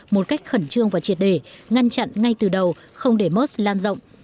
một cách khẩn trương và triệt để ngăn chặn ngay từ đầu không để mers lan rộng